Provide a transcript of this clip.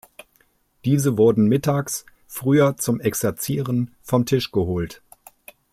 Diese wurden mittags früher zum Exerzieren vom Tisch geholt.